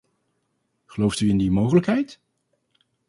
Gelooft u in die mogelijkheid?